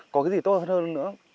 có cái gì tốt hơn nữa